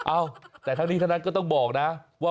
เอ้าแต่ทั้งนี้ทั้งนั้นก็ต้องบอกนะว่า